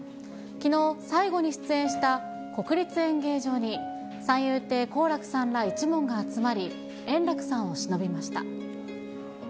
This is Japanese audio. きのう、最後に出演した国立演芸場に、三遊亭好楽さんら一門が集まり、円楽さんをしのびました。